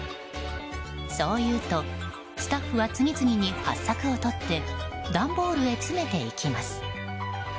そう言うとスタッフは次々にハッサクをとって段ボールへ詰めていきます。